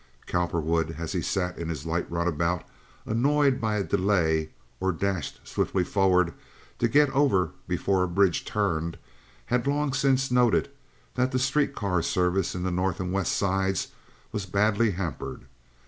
Cowperwood, as he sat in his light runabout, annoyed by a delay, or dashed swiftly forward to get over before a bridge turned, had long since noted that the street car service in the North and West Sides was badly hampered.